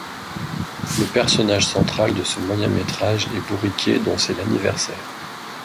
Le personnage central de ce moyen métrage est Bourriquet dont c'est l'anniversaire.